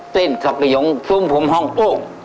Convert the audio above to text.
เต้นสักตะยองส่วนผมห้องอุ๊ก